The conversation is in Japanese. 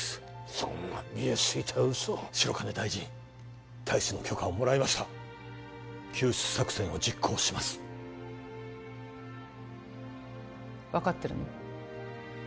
そんな見え透いた嘘を白金大臣大使の許可をもらいました救出作戦を実行します分かってるの？